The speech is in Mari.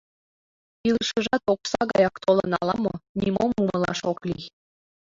Илышыжат окса гаяк толын ала-мо: нимом умылаш ок лий.